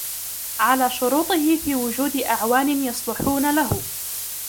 عَلَى شُرُوطِهِ فِي وُجُودِ أَعْوَانٍ يَصْلُحُونَ لَهُ